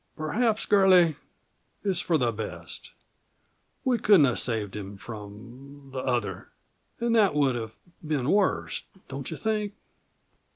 "Perhaps, girlie, it's for the best. We couldn't have saved him from the other; and that would have been worse, don't you think?